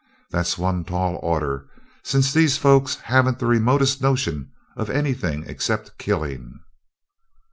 That's one tall order, since these folks haven't the remotest notion of anything except killing."